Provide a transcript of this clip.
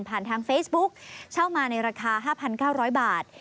ทางเฟซบุ๊กเช่ามาในราคา๕๙๐๐บาท